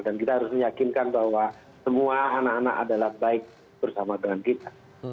dan kita harus meyakinkan bahwa semua anak anak adalah baik bersama dengan kita